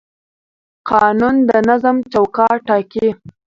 قانون د نظم چوکاټ ټاکي